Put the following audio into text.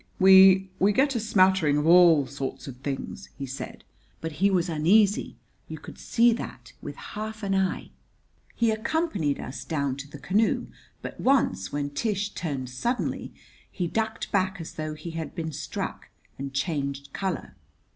"We we get a smattering of all sorts of things," he said; but he was uneasy you could see that with half an eye. He accompanied us down to the canoe; but once, when Tish turned suddenly, he ducked back as though he had been struck and changed color.